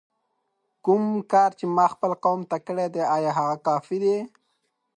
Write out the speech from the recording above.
کوم کار چې ما خپل قوم ته کړی دی آیا هغه کافي دی؟!